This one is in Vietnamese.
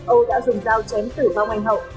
âu đã dùng dao chém tử bao ngành hậu